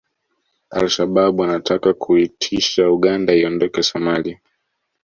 Al Shabab wanataka kuitisha Uganda iondoke Somalia